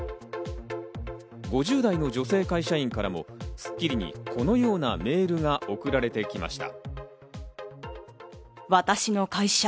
５０代の女性会社員からも『スッキリ』にこのようなメールが送られてきました。